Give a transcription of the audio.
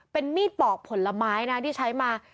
เป็นมีดปอกผลไม้นะที่ใช้มา